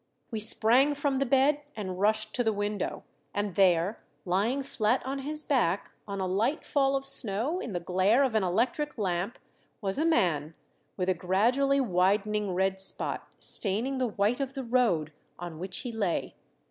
We sprang from the bed and rushed to the window, and there lying flat on his back, on a light fall of snow, in the glare of an electric lamp, was a man, with a gradually widening red spot staining the white of the road on which he lay.